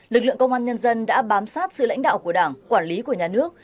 lực lượng công an nhân dân đã bám sát sự lãnh đạo của đảng quản lý của nhà nước